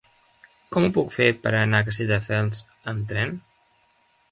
Com ho puc fer per anar a Castelldefels amb tren?